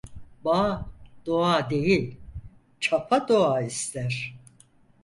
Bağ dua değil, çapa dua ister.